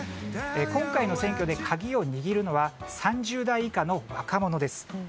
今回の選挙で鍵を握るのは３０代以下の若者です。